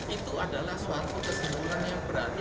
itu adalah suatu kesimpulan yang berarti